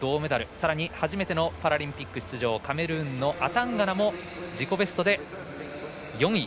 さらに初めてのパラリンピック出場カメルーンのアタンガナも自己ベストで４位。